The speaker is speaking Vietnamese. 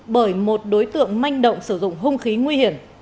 bởi một đối tượng manh động sử dụng hung khí nguy hiểm